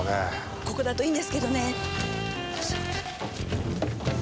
ここだといいんですけどね。